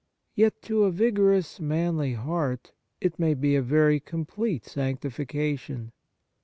Yet, to a vigorous, manly heart, it may be a very complete sanctiftcation.